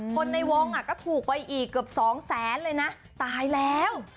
คนในวงก็ถูกไปอีกเกือบสองแสนเลยนะตายแล้ว